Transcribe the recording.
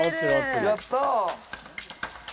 やった。